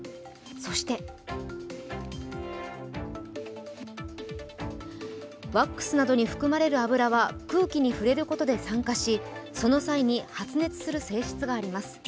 そしてワックスなどに含まれる油は空気に触れることで酸化しその際に発熱する性質があります。